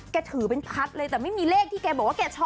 แกถือไปพัดเลยแต่ไม่มีเลขที่แกบอกว่า